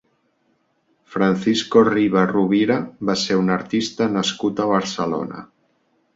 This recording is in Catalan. Francisco Riba Rovira va ser un artista nascut a Barcelona.